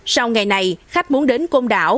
sau ngày này khách muốn đến côn đảo